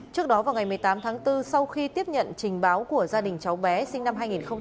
trước đó vào ngày một mươi tám tháng bốn sau khi tiếp nhận trình báo của gia đình cháu bé sinh năm hai nghìn hai mươi